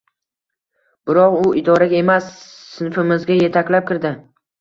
Biroq u idoraga emas, sinfimizga yetaklab kirdi.